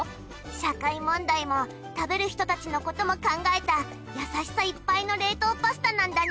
社会問題も食べる人たちのことも考えたやさしさいっぱいの冷凍パスタなんだね